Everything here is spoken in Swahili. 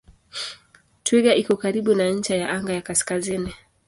Twiga iko karibu na ncha ya anga ya kaskazini.